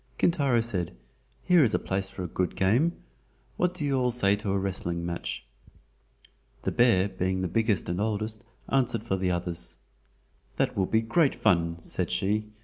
Kintaro said, "Here is a place for a good game. What do you all say to a wrestling match?" The bear being the biggest and the oldest, answered for the others: "That will be great fun," said she.